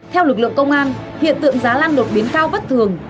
theo lực lượng công an hiện tượng giá lan đột biến cao bất thường